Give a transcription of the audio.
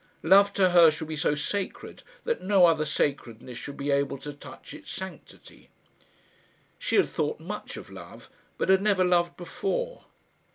Love to her should be so sacred that no other sacredness should be able to touch its sanctity. She had thought much of love, but had never loved before.